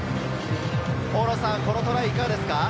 このトライ、いかがですか？